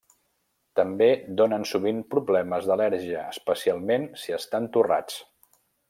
També donen sovint problemes d'al·lèrgia especialment si estan torrats.